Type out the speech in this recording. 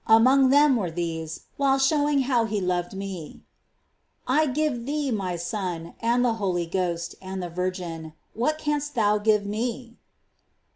Among them were these, while showing how He loved me : "I give thee My Son, and the Holy Ghost, and the Virgin : what canst thou give Me